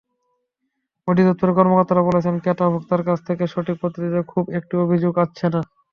অধিদপ্তরের কর্মকর্তারা বলছেন, ক্রেতা-ভোক্তার কাছ থেকে সঠিক পদ্ধতিতে খুব একটা অভিযোগ আসছে না।